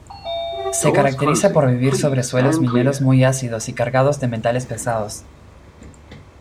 Se caracteriza por vivir sobre suelos mineros muy ácidos y cargados de metales pesados.